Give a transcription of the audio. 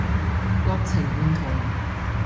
國情唔同